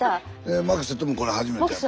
牧瀬ともこれ初めてやったな？